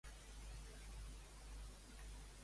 Com aconsegueix escapar Antíope?